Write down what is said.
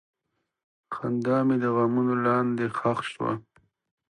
خندا مې د غمونو لاندې ښخ شوه.